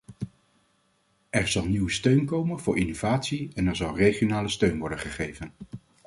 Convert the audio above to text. Er zal nieuwe steun komen voor innovatie en er zal regionale steun worden gegeven.